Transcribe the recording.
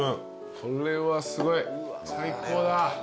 これはすごい最高だ。